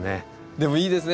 でもいいですね